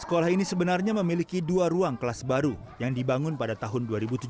sekolah ini sebenarnya memiliki dua ruang kelas baru yang dibangun pada tahun dua ribu tujuh belas